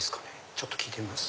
ちょっと聞いてみます。